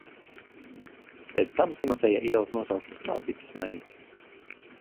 Pēc tam Timoteja ielas nosaukums nav ticis mainīts.